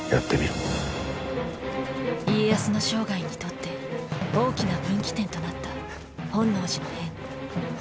家康の生涯にとって大きな分岐点となった本能寺の変。